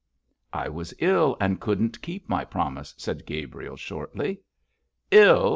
'I was ill and couldn't keep my promise,' said Gabriel, shortly. 'Ill!'